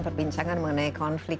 perkara yang terjadi